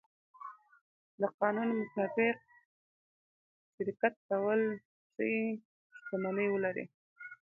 د قانون مطابق شرکت کولی شي، چې شتمنۍ ولري.